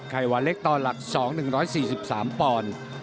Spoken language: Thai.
ไขวาเล็กตอนหลัก๒๑๔๓ปอนด์